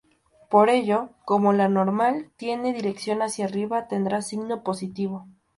Por ello, como la normal tiene dirección hacia arriba tendrá signo positivo.